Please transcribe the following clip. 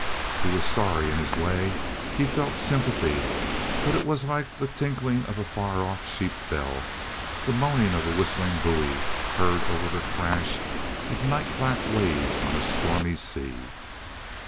He was sorry—in his way. He felt sympathy, but it was like the tinkling of a far off sheep bell—the moaning of a whistling buoy heard over the thrash of night black waves on a stormy sea.